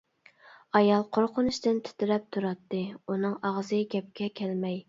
ئايال قورقۇنچتىن تىترەپ تۇراتتى ئۇنىڭ ئاغزى گەپكە كەلمەي!